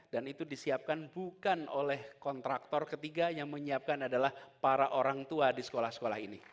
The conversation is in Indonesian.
dan itu disiapkan bukan oleh kontraktor ketiga yang menyiapkan adalah para orang tua di sekolah sekolah ini